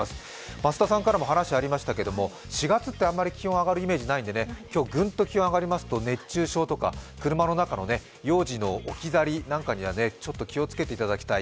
増田さんからもありましたけど４月ってあまり気温があがる印象がないので今日、グンと気温が上がりますと、熱中症とか車の中の幼児の置き去りなんかにはちょっと気を付けていただきたい。